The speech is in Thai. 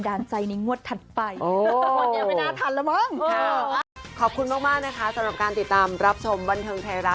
ไอ้เจ็ดไอ้แปดจิ้งจกอะไรเนี่ย